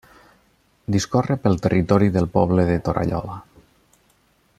Discorre per territori del poble de Torallola.